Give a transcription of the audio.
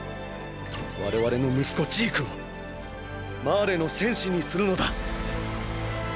我々の息子ジークを「マーレの戦士」にするのだ。